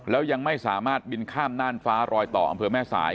แล้วยังไม่สามารถบินข้ามน่านฟ้ารอยต่ออำเภอแม่สาย